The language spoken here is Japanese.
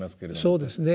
そうですね。